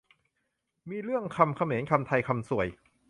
มีเรื่องคำเขมร คำไทย คำส่วย